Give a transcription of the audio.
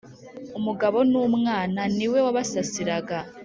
umugabo numwana, ni we wabasasiraga.